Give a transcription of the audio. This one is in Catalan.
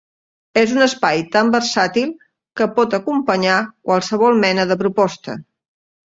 És un espai tan versàtil que pot acompanyar qualsevol mena de proposta.